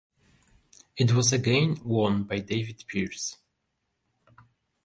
It was again won by David Pearce.